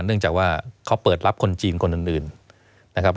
เนื่องจากว่าเขาเปิดรับคนจีนคนอื่นนะครับ